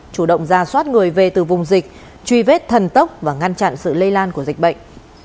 chủ động ra soát người về từ vùng dịch truy vết thần tốc và ngăn chặn sự lây lan của dịch bệnh